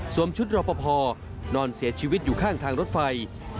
ชุดรอปภนอนเสียชีวิตอยู่ข้างทางรถไฟ